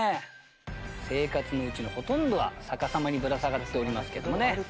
生活のうちのほとんどが逆さまにぶら下がっておりますけどもね。